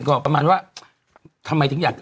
ก็ประมาณว่าทำไมถึงอยาก